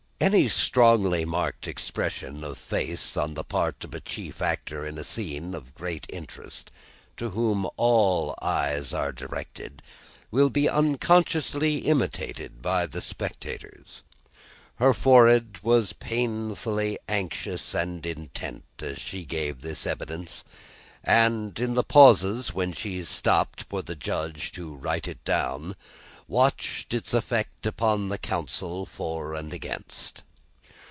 Any strongly marked expression of face on the part of a chief actor in a scene of great interest to whom many eyes are directed, will be unconsciously imitated by the spectators. Her forehead was painfully anxious and intent as she gave this evidence, and, in the pauses when she stopped for the Judge to write it down, watched its effect upon the counsel for and against.